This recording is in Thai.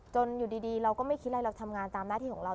อยู่ดีเราก็ไม่คิดอะไรเราทำงานตามหน้าที่ของเรา